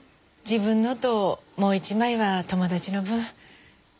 自分のともう１枚は友達の分。